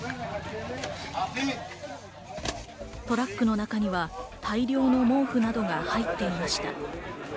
トラックの中には大量の毛布などが入っていました。